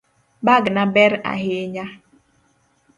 Bagna ber ahinya